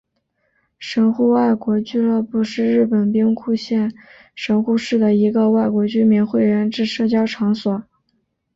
神户外国俱乐部是日本兵库县神户市的一个外国居民会员制社交场所。